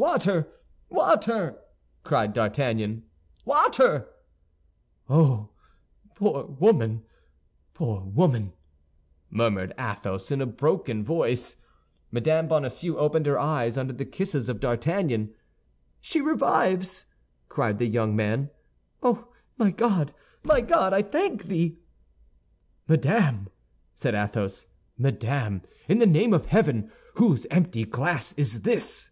"Water, water!" cried D'Artagnan. "Water!" "Oh, poor woman, poor woman!" murmured Athos, in a broken voice. Mme. Bonacieux opened her eyes under the kisses of D'Artagnan. "She revives!" cried the young man. "Oh, my God, my God, I thank thee!" "Madame!" said Athos, "madame, in the name of heaven, whose empty glass is this?"